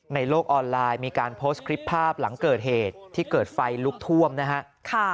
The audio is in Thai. ในโลกออนไลน์มีการโพสต์คลิปภาพหลังเกิดเหตุที่เกิดไฟลุกท่วมนะฮะ